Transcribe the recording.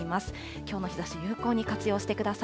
きょうの日ざしを有効に活用してください。